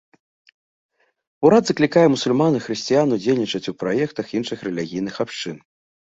Урад заклікае мусульман і хрысціян ўдзельнічаць ў праектах іншых рэлігійных абшчын.